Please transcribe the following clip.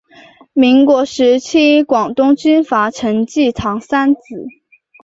民国时期广东军阀陈济棠三子。